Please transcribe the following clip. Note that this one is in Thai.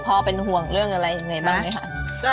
เป็นห่วงเรื่องอะไรยังไงบ้างไหมคะ